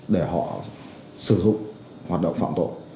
để họ sử dụng hoạt động phạm tội